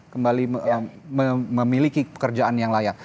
kembali memiliki pekerjaan yang layak